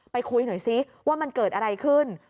ไปคุยหน่อยซิว่ามันเกิดอะไรขึ้น